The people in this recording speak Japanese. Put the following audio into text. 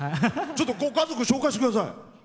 ちょっとご家族紹介して下さい。